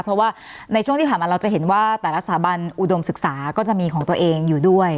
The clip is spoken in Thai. เพราะว่าในช่วงที่ผ่านมาเราจะเห็นว่าแต่ละสถาบันอุดมศึกษาก็จะมีของตัวเองอยู่ด้วย